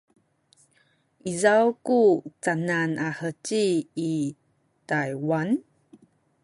izaw ku canan a heci i Taywan?